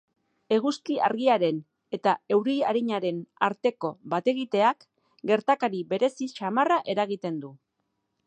Eguzki argiaren eta euri arinaren arteko bat egiteak gertakari berezi samarra eragiten du.